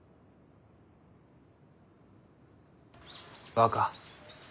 若。